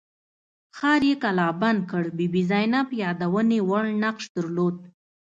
ښار یې کلابند کړ بي بي زینب یادونې وړ نقش درلود.